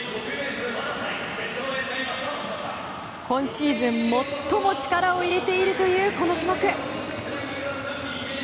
今シーズン最も力を入れているというこの種目。